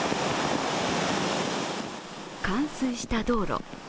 冠水した道路。